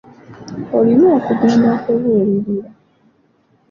Olina okugenda okubuulirira.